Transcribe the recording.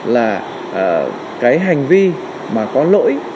là cái hành vi mà có lỗi